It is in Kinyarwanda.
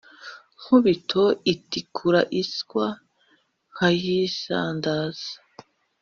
nkubito itikura iswa nkayisandaza